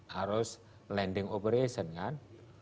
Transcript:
harus landing operation kan